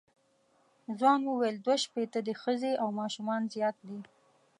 ځوان وویل دوه شپېته دي ښځې او ماشومان زیات دي.